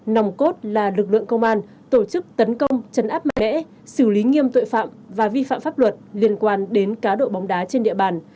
nòng cốt là lực lượng công an tổ chức tấn công chấn áp mạnh mẽ xử lý nghiêm tội phạm và vi phạm pháp luật liên quan đến cá độ bóng đá trên địa bàn